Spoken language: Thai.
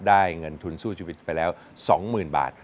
เงินทุนสู้ชีวิตไปแล้ว๒๐๐๐บาท